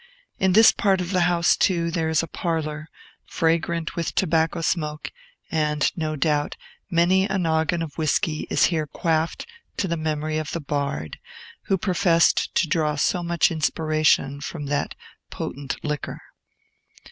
In this part of the house, too, there is a parlor, fragrant with tobacco smoke; and, no doubt, many a noggin of whiskey is here quaffed to the memory of the bard, who professed to draw so much inspiration from that potent liquor.